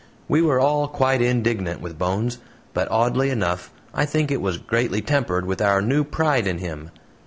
We were all quite indignant with Bones but, oddly enough, I think it was greatly tempered with our new pride in him.